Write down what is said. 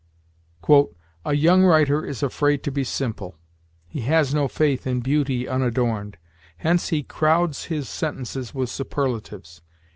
"A young writer is afraid to be simple; he has no faith in beauty unadorned, hence he crowds his sentences with superlatives.